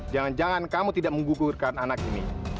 jangan jangan kamu tidak menggugurkan anak ini